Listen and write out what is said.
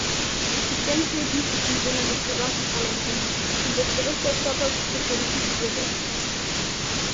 Ich denke, dies ist im Sinne des gesamten Parlaments und des Berichterstatters zur Kodifizierung.